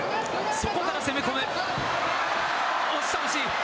そこから攻め込む。